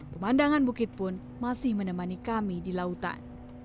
pemandangan bukit pun masih menemani kami di lautan